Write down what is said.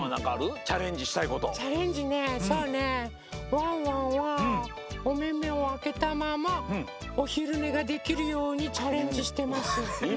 ワンワンはおめめをあけたままおひるねができるようにチャレンジしてます。